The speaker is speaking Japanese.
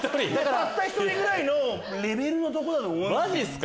たった１人ぐらいのレベルのとこだと思いますよ。